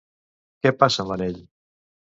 Què passa amb l'anell?